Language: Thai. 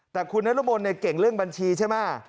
แต่คุณนรมนเนี่ยเก่งเรื่องบัญชีใช่ไหม